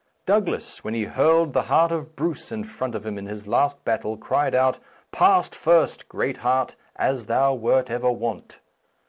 Douglas, when he hurled the heart of Bruce in front of him in his last battle, cried out, " Pass first, great heart, as thou wert ever wont."